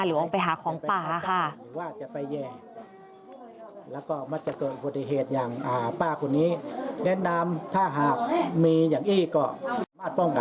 ออกไปหาของป่าค่ะ